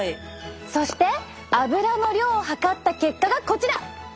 そしてアブラの量を測った結果がこちら！